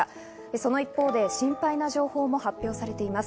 その一方で心配な情報も発表されています。